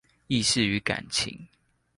意識與感情